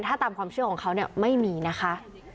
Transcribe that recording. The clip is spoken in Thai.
ถ้าตามความเชื่อของเขาเนี่ยไม่มีนะคะ